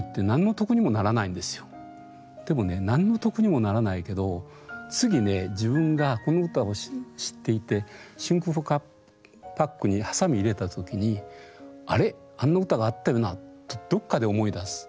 でもね何の得にもならないけど次ね自分がこの歌を知っていて真空パックに鋏入れた時に「あれ？あんな歌があったよな」とどっかで思い出す。